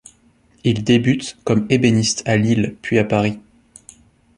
Il débute comme ébéniste à Lille puis à Paris.